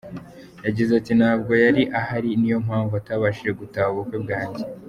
Yagize ati “Ntabwo yari ahari niyo mpamvu atabashije gutaha ubukwe bwanjye.